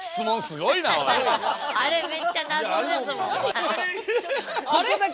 あれめっちゃ謎ですもん！